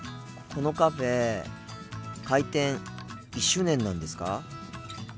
このカフェ開店１周年なんですか？